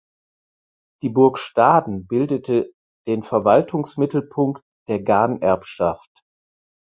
Die Burg Staden bildete den Verwaltungsmittelpunkt der Ganerbschaft.